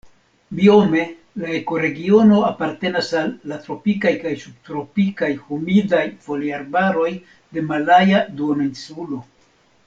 Biome la ekoregiono apartenas al la tropikaj kaj subtropikaj humidaj foliarbaroj de Malaja Duoninsulo.